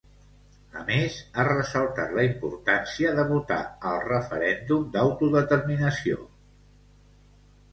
A més, ha ressaltat la importància de votar al referèndum d'autodeterminació.